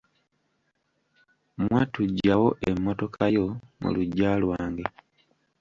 Mwattu ggyawo emmotoka yo mu luggya lwange.